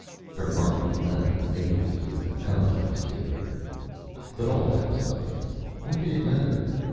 Her mind floundered vainly through the complex data. But all that was nothing. What did it matter?